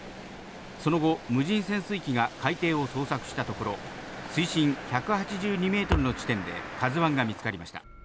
その後、無人潜水機が海底を捜索したところ、水深１８２メートルの地点で、ＫＡＺＵＩが見つかりました。